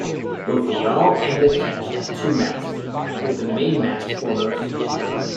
Both the yawl and the ketch have two masts, with the main mast foremost.